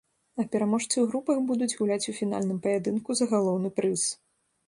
А пераможцы ў групах будуць гуляць у фінальным паядынку за галоўны прыз.